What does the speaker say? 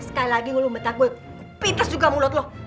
sekali lagi lo mentak gue pites juga mulut lo